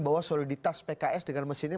bahwa soliditas pks dengan mesin ini